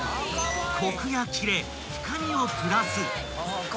［コクや切れ深みをプラス］